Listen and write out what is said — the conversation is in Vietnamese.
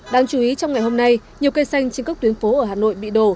đáng chú ý trong ngày hôm nay nhiều cây xanh trên các tuyến phố ở hà nội bị đổ